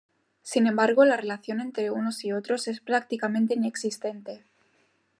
Sin embargo, la relación entre unos y otros es prácticamente inexistente.